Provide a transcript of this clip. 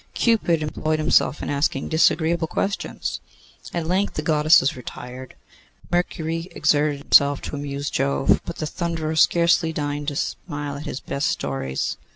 Cupid employed himself in asking disagreeable questions. At length the Goddesses retired. Mercury exerted himself to amuse Jove, but the Thunderer scarcely deigned to smile at his best stories.